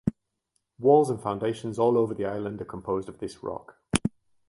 Walls and foundations all over the island are composed of this rock.